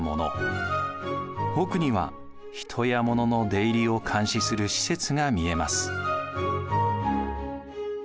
奥には人や物の出入りを監視する施設が見えます。